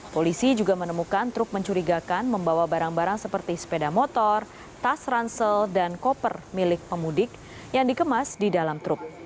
polisi juga menemukan truk mencurigakan membawa barang barang seperti sepeda motor tas ransel dan koper milik pemudik yang dikemas di dalam truk